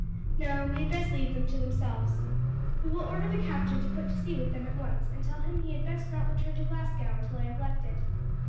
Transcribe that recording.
No, we had best leave them to themselves. We will order the captain to put to sea with them at once, and tell him he had best not return to Glasgow until I have left it.